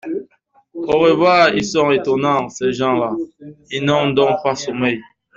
Au revoir ! ils sont étonnants ces gens-là ! ils n’ont donc pas sommeil.